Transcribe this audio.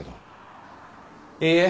いいえ。